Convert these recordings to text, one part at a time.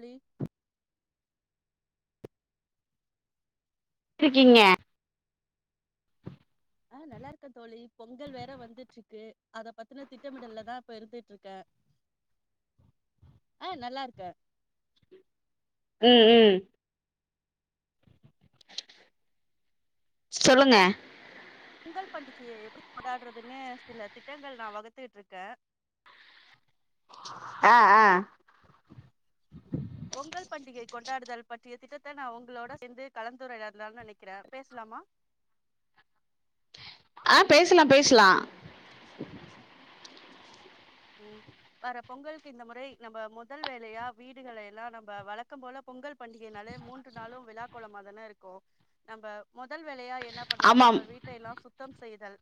ழி ட் இருக்கீங்க ஆ நல்லா இருக்கே தோழி பொங்கல் வேற வந்துட்ருக்கு அத பத்தின திட்டமிடல்லதா இப்ப இருந்துட்ருக்கே ஆ நல்லா இருக்கே ம் ம் சொல்லுங்க பொங்கல் பண்டிகையை எப்டி கொண்டாடுறதுன்னு சில திட்டங்கள் நா வகுத்துட்ருக்கே ஆ ஆ பொங்கல் பண்டிகை கொண்டாடுதல் பற்றிய திட்டத்த நா உங்களோட சேர்ந்து கலந்துரையாட்லான் நெனக்கிற பேசலாமா ஆ பேசலா பேசலா ம் வர பொங்கலுக்கு இந்த முறை நம்ம முதல் வேலையா வீடுகள் எல்லா நம்ம வளக்கம் போல பொங்கல் பண்டிகைனாலே மூன்று நாளு விழாகோளமா தானே இருக்கு நம்ம மொதல் வேலையா என்ன பண்லானா ஆமாம் வீட்டை எல்லா சுத்தம் செய்தல்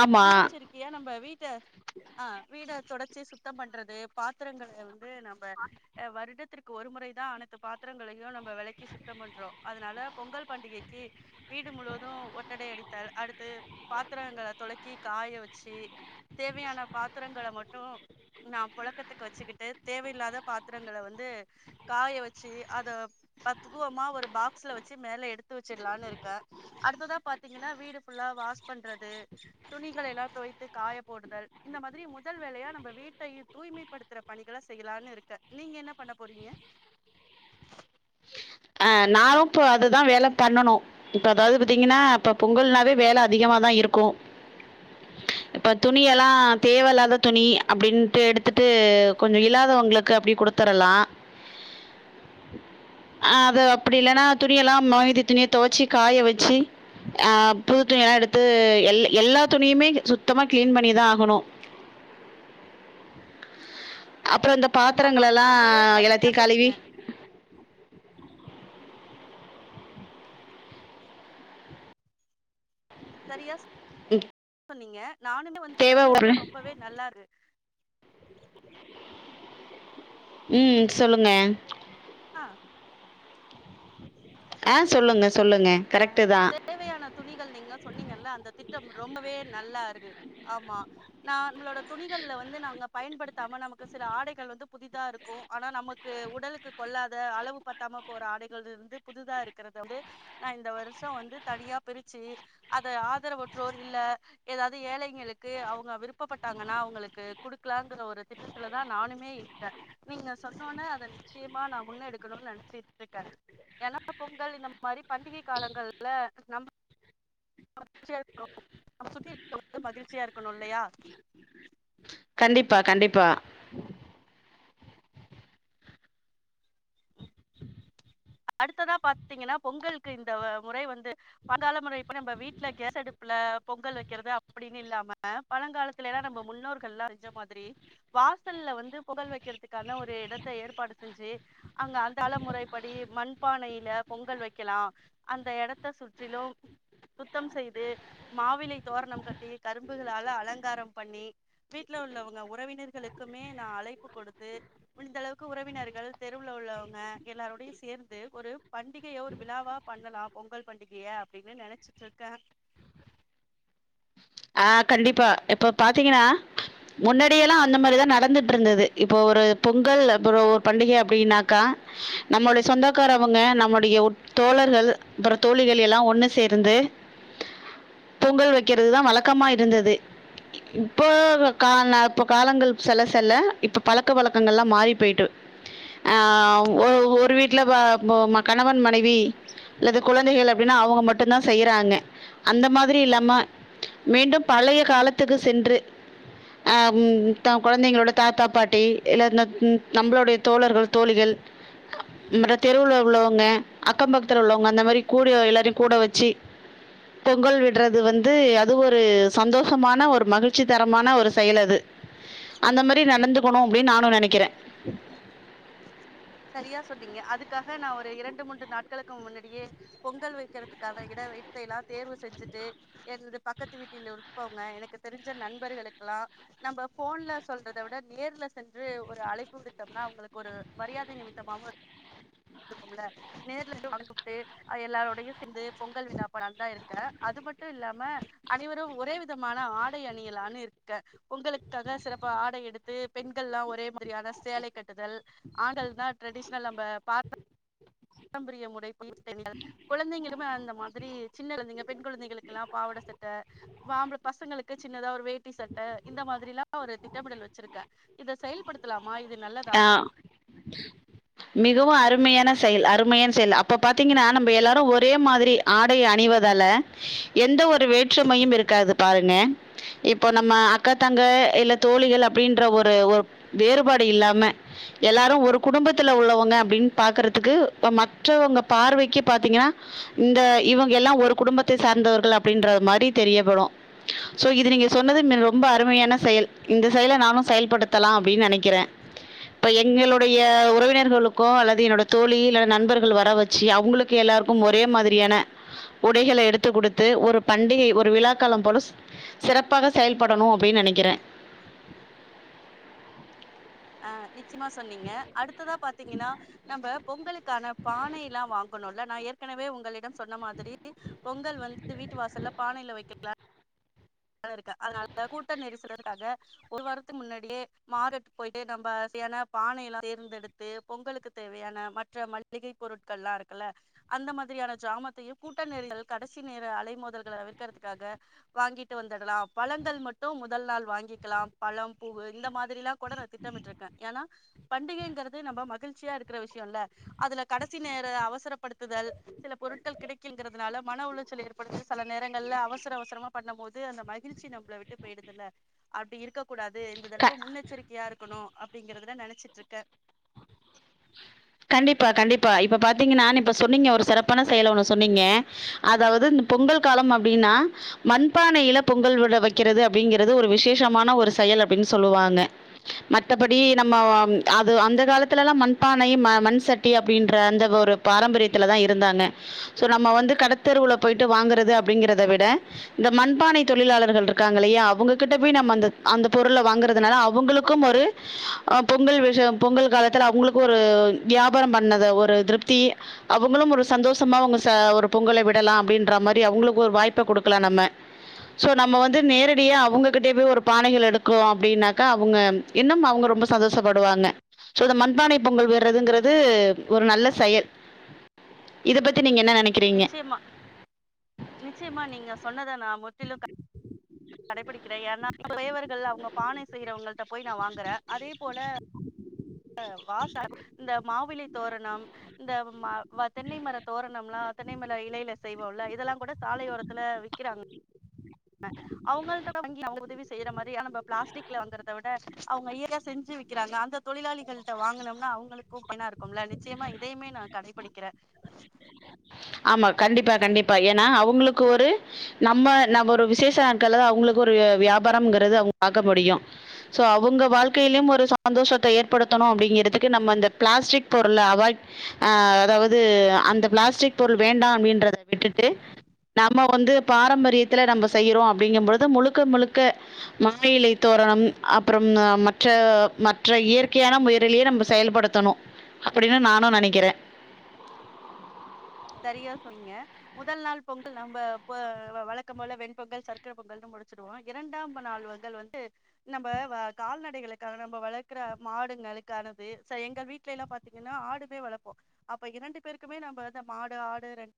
ஆமா முன்னெச்சரிக்கையா நம்ம வீட்ட ஆ வீட தொடச்சி சுத்தம் பண்றது பாத்திரங்கள வந் து நம்ம அ வருடத்திற்கு ஒரு முறைதா அனைத்து பாத்திரங்களையு நம்ம வெளக்கி சுத்தம் பண்றோ அதனால பொங்கல் பண்டிகைக்கி வீடு முழுவது ஒட்டடை அடித்தல் அடுத்து பாத்திரங்கள தொலக்கி காய வச்சி தேவையான பாத்தரங்கள மட்டு நா பொழக்கத்துக்கு வச்சுக்கிட்டு தேவையில்லாத பாத்தரங்கள வந்து காய வச்சி அத பத்து பூவமா ஒரு பாக்ஸ்ல வச்சு மேலே எடுத்து வச்சிட்லான் இருக்கே அடுத்ததா பாத்தீங்கன்னா வீடு ஃபுல்லா வாஷ் பண்றது துணிகள எல்லா துவைத்து காய போடுதல் இந்த மாதிரி முதல் வேலையா நம்ம வீட்டையு தூய்மைப்படுத் துற பணிகள செய்யலான்னு இருக்க நீங்க என்ன பண்ண போறீங்க ஆ நானும் இப்போ அதுதா வேல பண்ணனு இப்ப அதாவது பாத்தீங்கன்னா இப்ப பொங்கல்னாவே வேல அதிகம தா இருக்கு இப்ப துணி எல்லா தேவயில்லாத துணி அப்டின்ட்டு எடுத்துட்டு கொஞ்ச இல்லாதவுங்களுக்கு அப்டி கொடுத் தரலா அ அது அப்படி இல்லன்னா துணி எல்லா மொய்தி துணிய துவச்சி காய வச்சி அ புது துணி எல்லா எடுத்து எல் எல்லா துணியுமே சுத்தமா கிளீன் பண்ணிதா ஆகணு அப்புற இந்த பா ஆமா ரொம்பவே சரியா சொன்னீங்க சரியா ம் சொன்னீங்க நானுமே வந்து சொன்னதல்லா ரொம்பவே நல்லாது ம் சொல்லுங்க ஆ ஆ சொல்லுங்கள் சொல்லுங்கள் அ கரெக்ட்டு தா தேவையான துணிகள் நீங்க சொன்னீங்கல்ல அந்த திட்டம் ரொம்பவே நல்லா இருக்கு ஆமா நா நம்மளோட துணிகள்ல வந்து நாங்க பயன்படுத் தா நமக்கு சில ஆடைகள் வந்து புதிதா இருக்கு ஆனா நமக்கு உடலுக்கு கொள்ளாத அளவு பத் தாம போற ஆடைகள் இருந்து புதுதா இருக்கிறது வந்து நா இந்த வருஷோ வந்து தனியா பிரிச்சு அத ஆதரவற்றோர் இல்ல எதாவது ஏழைங்களுக்கு அவங்க விருப்பப்பட்டாங்கன்னா அவங்களுக்கு குடுக்கலாங்கற ஒரு திட்ட த்துலதா நானுமே இருந்தே நீங்க சொன்னோனே அத நிச்சயமா நா முன்ன எடுக்கணுன் நெனச்சிட்ருக்கே ஏன்னா பொங்கல் இந்த மாரி பண்டிகை காலங்கள்ல நம் மகிழ்ச்சியா இருக்கனு நம்ப சுத்தி இருக்குரவங்க மகிழ்ச்சியா இருக்கணு இல்லையா கண்டிப்பா கண்டிப்பா அடுத்ததா பாத்தீங்கன்னா பொங்கல்க்கு இந்த முறை வந்து பலங்கால முறை இப்ப நம்ப வீட்டுல கேஸ் அடுப்புல பொங்கல் வைக்கிறது அப்படின் இல்லாம பழங்காலத்துல எல்லா நம்ப முன்னோர்கள் எல்லா செஞ்ச மாதிரி வாசல்ல வந்து பொங்கல் வெக்கிறதுக்கான ஒரு இடத்த ஏற்பாடு செஞ்சு அங்க அந்த காலமுறைப்படி மண்பானையில பொங்கல் வைக்கலா அந்த எடத்த சுற்றிலும் சுத்தம் செய்து மாவிலை தோரணம் கட்டி கரும்புகளால அலங்காரம் பண்ணி வீட்டுல உள்ளவங்க உறவினர்களுக்குமே நா அழைப்பு கொடுத்து முடிந்த அளவுக்கு உறவினர்கள் தெ ருவுள்ள உள்ளவங்க எல்லாருடையு சேர்ந்து ஒரு பண்டிகைய ஒரு விழாவா பண்ணலாம் பொங்கல் பண்டிகைய அப்படின்னு நெனச்சிட்டு இருக்கே ஆ கண்டிப்பா இப்போ பாத்தீங்கன்னா முன்னாடியெல்லா அந்த மாதிரிதா நடந்துட்ருந்தது இப்போ ஒரு பொங்கல் அப்புறோ ஒரு பண்டிகை அப்படின்னா கா நம்மளு சொந்தக்கார அவங்க நம்முடைய உ தோழர்கள் அப்புற தோழிகள் எல்லா ஒண்ணு சேர்ந்து பொங்கல் வைக்கிறதுதா வழக்கமா இருந்தது இப்போ கான்ன இப்ப காலங்கள் செல்ல செல்ல இப்ப பழக்க பழக்கங்கள் எல்லா மாறி போய்ட்டு அ ஒ ஒரு வீட்டுல வ போ கணவன் மனைவி அல்லது கொழந்தைகள் அப்படின்னா அவங்க மட்டு தா செய்யிறாங்க அந்த மாதிரி இல்லாம மீண்டும் பழைய காலத்துக்கு சென்று ஆம் த கொழந்தைங்களோட தாத்தா பாட்டி இல்ல ந நம்மளுடைய தோழர்கள் தோழிகள் அ ம் தெருல உள்ளவங்க அக்கம் பக்தர் உள்ளவங்க அந்த மாரி கூட எல்லாரையு கூட வச்சு பொங்கல் விற்றது வந்து அது ஒரு சந்தோஷமான ஒரு மகிழ்ச்சி தரமான ஒரு செயல் அது அந்த மாரி நடந்துக்கணு அப்படின் நானு நெனைக்கிறே சரியா சொன்னீங்க அதுக்காக நா ஒரு இரண்டு மூன்று நாட்களுக்கு முன்னாடியே பொங்கல் வைக்கிறதுக்கான இட வத்த எல்லா தேர்வு செஞ்சுட்டு [unintelligible] பக்கத்து வீட்டில் உற்பவங்க எனக்கு தெரிஞ்ச நண்பர்களுக்கெல்லா நம்ப போன்ல சொல்றத விட நேர்ல சென்று ஒரு அழைப்பு விடுத்தோம்னா அவங்களுக்கு ஒரு மரியா நிமித்த பா [unintelligible] க்கும்ல நேர்ல இந்து [inaudible] ட்டு அ எல்லாரோடையு சேர்ந்து பொங்கல் விழா [inaudible] தா இருக்கே அது மட்டும் இல்லாம அனைவரும் ஒரே விதமான ஆடை அணியலான்னு இருக்க பொங்களுக்காக சிறப்பு ஆடை எடுத்து பெண்கள் எல்லா ஒரே மாதிரியான சேலை கட்டுதல் ஆண்கள் தா டிரரெடிஷனல் நம்ம பா பாரம்பரிய முறை புய தெரியாது குழந்தைங்களுமே அந்த மாதிரி சின்ன குழந்தைங்க பெண் குழந்தைகளுக்கு எல்லா பாவட சட்ட ஆம்பள பசங்களுக்கு சின்னதா ஒரு வேட்டி சட்ட இந்த மாதிரி எல்லா ஒரு திட்டமிடல் வச்சிருக்கேன் இத செயல்படுத்தலாமா இது நல்லதா மிகவு அருமையான செயல் அருமையான செயல் அப்போ பாத்தீங்கன்னா நம்ம எல்லாரும் ஒரே மாதிரி ஆடை அணிவதால எந்த ஒரு வேற்றுமையும் இருக்காது பாருங்க இப்ப நம்ம அக்க தங்க இல்ல தோழிகள் அப்டின்ற ஒரு ஒரு வேறுபாடு இல்லாம எல்லாரும் ஒரு குடும்பத்துல உள்ளவங்க அப்டின்னு பாக்குறதுக்கு மற்றவங்க பார்வைக்கு பாத்தீங்கன்னா இந்த இவங்க எல்லா ஒரு குடும்பத்தை சார்ந்தவர்கள் அப்படின்ற மாதிரி தெரியவரும் சோ இது நீங்க சொன்னது ரொம்ப அருமையான செயல் இந்த செயலை நானு செயல்படுத்தலா அப்டின்னு நெனைக்கிறேன் இப்ப எங்களுடைய உறவினர்களுக்கு அல்லது என்னோட தோழி இல்ல நண்பர்கள் வர வச்சு அவங்களுக் கு எல்லாருக்கும் ஒரே மாதிரியான உடைகள எடுத்து குடுத்து ஒரு பண்டிகை ஒரு விழாக்காலம் போல சிறப்பாக செயல்படணு அப்டின்னு நெனைக்கிறேன் ஆ நிச்சயமா சொன்னீங்க அடுத்ததா பாத்தீங்கன்னா நம்ம பொங்களுக்கான பானை எல்லா வாங்கணும்ல நான் ஏற்கனவே உங்களிடம் சொன்ன மாதிரி பொங்கல் வந்து வீட்டு வாசல பானையில் வைக்க ரதா இருக்க அதனால கூட்ட நெரிசல்றதுக்காக ஒரு வாரத்துக்கு முன்னாடியே மாறட்டு போயிட்டு நம்மசையான பானை எல்லா தேர்ந்தெடுத்து பொங்கலு தேவையான மற்ற மளிகை பொருட்கள் எல்லா இருக்குல்ல அந்த மாதிரியான ஜமானத்தையும் கூட்ட நேர கடைசி நேர அலைமோதல்களை தவிர்க்கிறதுக்காக வாங்கிட்டு வந்துடலா பழங்கள் மட்டும் முதல் நாள் வாங்கிக்கலா பழம் பூவு இந்த மாதிரிலா கூட நா திட்டமிட்டிரு க்கேன் ஏன்னா பண்டிகைங்கிறது நம்ம மகிழ்ச்சியா இருக்கிற விஷயம் இல்ல அதுல கடைசி நேர அவசரப்படுத்துதல் சில பொருட்கள் கிடைக்குங்கிறதுனால மன உளைச்சல் ஏற்படுது சில நேரங்களல அவசர அவசரமா பண்ணும் போது த்து அந்த மகிழ்ச்சி நம்மள விட்டு போய்டுதல்ல அப்டி இருக்க கூடாது இந்த தடவு முன்னெச்சரிக்கையா இருக்கணு அப்டிங்கறதான் நெனைச்சிட்டு இருக்கேன் கண்டிப்பா கண்டிப்பா இப்ப பாத்தீங்கன்னா இப்ப சொன்னீங்க ஒரு சிறப்பான செயலை ஒண்ணு சொன்னீங்க அதாவது இந்த பொங்கல் காலம் அப்டின்னா மண்பானையில பொங்கல் விட வைக்கிறது அப்படிங்கறது ஒரு விசேஷமான ஒரு செயல் அப்டின்னு சொல்லுவாங்க மத்தபடி நம்ம அது அந்த காலத்துலயெல்லா மண்பா னை மண் சட்டி அப்டின்ற அந்த ஒரு பாரம்பரியத்துல தான் இருந்தாங்க சோ நம்ம வந்து கடத்தருவுல போயிட்டு வாங்குறது அப்டிங்கறத விட இந்த மண்பானை தொழிலாளர்கள் இருக்காங்க இல்லையா அவங்ககிட்ட போய் நம்ம அந்த அந்த பொருள் வாங்கறதுனால அவங்களுக்கும் ஒரு ஆ பொங்கல் விஷயம் பொங்கல் காலத்துல அவங்களுக்கு ஒரு வியாபாரம் பண்ணத ஒரு திருப்தி அவங்களும் ஒரு சந்தோஷமா அவங்க ச ஒரு பொங்கலை விடலா அப்டின்ற மாதிரி அவங்களுக்கு ஒரு வாய்ப்பை கொடுக்கலாம் நம்ம ஸோ நம்ம வந்து நேரடியாக அவங்ககிட்டய போய் ஒரு பானைகள் எடுக்கு அப்டின்னாக்கா அவங்க இன்னும் அவங்க ரொம்ப சந்தோஷப்படுவாங்க சோ இந்த மண்பானை பொங்கல் விடுறதுங்கிறது ஒரு நல்ல செயல் இத பத்தி நீங்க என்ன நெனைக் நிச்சயமா நிச்சயமா நீங்க சொன்னத நா முற்றிலும் கடைபிடிக்கிறேன் ஏன்னா தேவர்கள் அவங்க பானை செய்யறவங்கள்ட போய் நா வாங்குறேன் அதே போல அ வாசா இந்த மாவிலி தோரணம் இந்த ம வ தென்னை மர தோரணம்லா தென்னை மர இலையில செய்வோம்ல இதெல்லாம் கூட சாலையோர த்துல விக்கிறாங்க அவங்கள்ட்ட வாங்கி அவங்க உதவி செய்ற மாரி நம்ப பிளாஸ்டிக்ல வந்துறத விட அவங்க இயற செஞ்சு விக்கிறாங்க அந்த தொழிலாளிகள்ட்ட வாங்கனம்னா அவங்களுக்கும் பயணா இருக்கும்ல நிச்சயமா இதயுமே நா கடைபிடிக்கிறே ஆமா கண்டிப்பா கண்டிப்பா ஏன்னா அவுங்குளுக்கு ஒரு நம்ம நம் ஒரு விசேஷ நாட்கள்ல்ல தா அவுங்களுக்கு ஒரு வியாபாரங்கிறது அவுங்க பாக்க முடியும் சோ அவங்க வாழ்க்கையிலும் ஒரு சந்தோஷத்த ஏற்படுத்தணும் அப்டிங்கறதுக்கு நம்ம அந்த பிளாஸ்டிக் பொருள அவாய்ட் அ அதாவ்து அந்த பிளாஸ்டிக் பொருள் வேண்டா அப்படின்றத விட்டுட்டு நம்ம வந்து பாரம்பரியத்துல நம்ப செய்யிறோம் அப்டிங்கும்பொழுது முழுக்க முழுக்க மா இலை தோரணம் அப்புறம் மற்ற மற்ற இயற்கையான முயறலயே நம்ப செயல்படுத்தணு அப்படின்னு நானு நெனைக்கிற சரியா சொன்னிங்க முதல் நாள் பொங்கல் நம்ப போ வழக்கம் போல வெண்பொங்கல் சர்க்கர பொங்கல்ன்னு முடிச்சிடுவோம் இரண்டாம் நாள் வங்கல் வந்து நம்ப வ கால்நடைகளுக்கான நம்ப வளக்கற மாடுங்களுக்கானது சரி எங்க வீட்ல எல்லா பாத் தீங்கன்னா ஆடுமே வளப்போ அப்போ இரண்டு பேருக்குமே நம்ப வந்து மாடு ஆடு ரெண்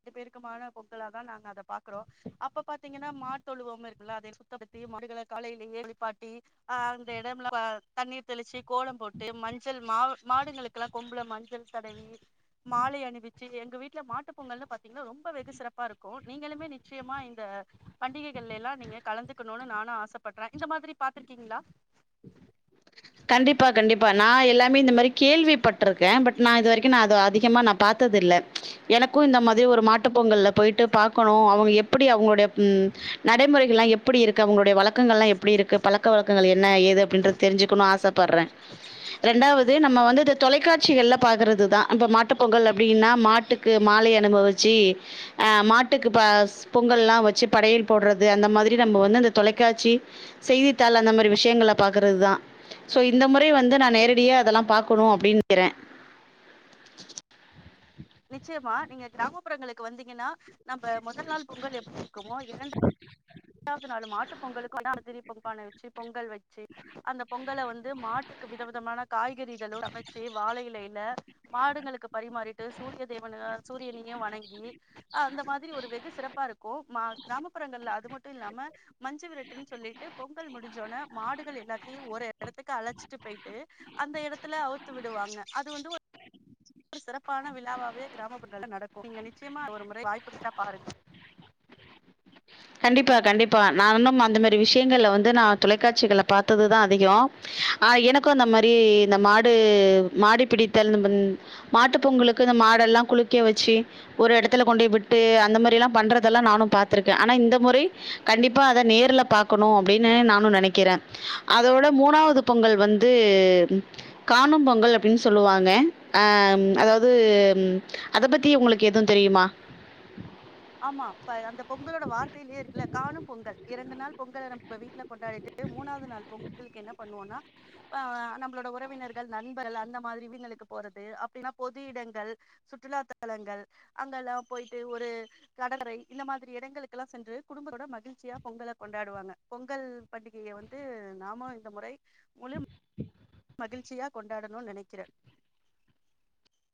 ரெண்டு பேருக்குமான பொங்கலா தா நாங்க அத பாக்குறோம் அப்ப பாத்தீங்கன்னா மாட்தொழுவம் இருக்குல்ல அதை சுத்தப்படுத்தி மாடுகள காலையிலேயே குளிப்பாட்டி அ அந்த எடம்ல வா தண்ணீர் தெளிச்சு கோலம் போட்டு மஞ்சள் மா மாடுங்களுக் குலா கொம்புல மஞ்சள் தடவி மாலை அணிவிச்சு எங்க வீட்ல மாட்டு பொங்கல்னு பாத்தீங்கன்னா ரொம்ப வெகு சிறப்பாருக்கும் நீங்களுமே நிச்சயமா இந்த பண்டிகைகள்ல எல்லா நீங்க கலந்துக்கணுனு நானு ஆசப்பட்ற இந்த மாதிரி பாத்திருக்கீங்ளா கண்டிப்பா கண்டிப்பா நா எல்லாமே இந்த மாரி கேள்விப்பட்ருக்கே பட் நா இது வரைக்கும் நா அத அதிகமா நா பாத் த்ததில்ல எனக்கும் இந்த மாதிரி ஒரு மாட்டு பொங்கல்ல போயிட்டு பாக்கணு அவுங்க எப்படி அவுங்குடைய ம் நடைமுறைகள்ல்லா எப் எப்பிடி இருக்கு அவங்களுடைய வழக்கங்கள்லா எப்பிடி இருக்கு பழக்க வழக்கங்கள் என்ன ஏது அப்டின்றது தெரிஞ்சுக்கணு ஆஸ் பட்ற ரெண்டாவ்து நம்ம வந்துது தொலைக்காட்சிகள்ல பாக்கறது தா இப்போ மாட்டுப் பொங்கல் அப்டின்னா மாட்டுக்கு மாலை அனுபவிச்சு அ மாட்டுக்கு பா பொங்கல்லா வச்சு படையல் போட்றது அந்த மாதிரி நம்ப வந்து அந்த தொலைக்காட்சி செய்யித்தாள்ல அந்த மாரி விஷயங்கள பாக்கறது தா சோ இந்த முறை வந்து நா நேரடியா அதெல்லா பாக்கணு அப்டின்ங்குற நிச்சயமா நீங்க கிராமப்புறங்களுக்கு வந்தீங்கன்னா நம்ப முதல் நாள் பொங்கல் எப் [inaudible] க்குமோ இரண் [inaudible] டாவ்து நாலு மாட்டுப் பொங்கலு கொண்டாட திருப் பொங் பான வெச்சு பொங்கல் வெச்சு அந்த பொங்கல வந்து மாட்டுக்கு வித விதமான காய்கறிகளோ அமச்சு வாழையிலையில மாடுங்களுக்கு பரிமாறி ட்டு சூரிய தேவன சூரியனையும் வணங்கி அந்த மாதிரி ஒரு வெகு சிறப்பாருக்கும் மா கிராமப்புறங்கள்ல அது மட்டும் இல்லாம மஞ்சு விரட்டுன் சொல்லிட்டு பொங்கல் முடிஞ்சொன்னே மாடுகள் எல்லாத்தையும் ஒரு எடத்துக்கு அழச்சிட்டு போயிட்டு அந்த எடத்துல அவுத்து விடுவாங்க அது வந்து ஒர் [inaudible] சிறப் ப்பான விழாவாவே கிராமப்புறங்கள நடக்கும் நீங்க நிச்சயமா ஒரு முறை வாய்ப்புந்த பாருங்க கண்டிப்பா கண்டிப்பா நானும் அந்த மாதிரி விஷயங்கள்ல வந்து நா தொலைக்காட்சிகள்ல பாத்தது தா அதிகம் ஆ எனக்கு அந்த மாரி இந்த மாடு மாடு பிடித்தல் இந்தம் மாட்டு பொங்கலுக்கு இந்த மாடெல்லா குளிக்க வச்சு ஒரு இடத்துல கொண்டுயே விட்டு அந்த மாரி எல்லா பண்றதெல்லா நானு பாத்திருக்கே ஆனா இந்த முறை கண்டிப்பாக அத நேர்ல பாக்கணு அப்டின்னு நானு நெனைக்கிற அதோட மூணாவது பொங்கல் வந்து காணும்பொங்கல் அப்டின்னு சொல்லுவாங்க ஆ ம் அதாவது அத பத்தி உங்களுக்கு எதுவு தெரியுமா ஆமா இப்ப அந்த பொங்கலோட வார்த்தையிலயே இருக்குல்ல காணும் பொங்கல் இரண்டு நாள் பொங்கல நம்ப வீட்டுல கொண்டாடிட்டு மூணாவது நாள் பொங்கலுக்கு என்ன பண்ணுவோம்னா அப்ப ஆ நம்மளோட உறவினர்கள் நண்பர் அந்த மாரி இவிதுங்களுக்கு போறது அப்டின்னா பொது இடங்கள் சுற்றுலாத்தலங்கள் அங்க லா போயிட்டு ஒரு கடற்கரை இந்த மாதிரி இடங்களுக்கெல்லா சென்று குடும்பத்தோட மகிழ்ச்சியா பொங்கலை கொண்டாடுவாங்க பொங்கல் பண்டிகைய வந்து நாம இந்த முறை முழு மகிழ்ச்சியா கொண்டாடணு நெனக்கிறே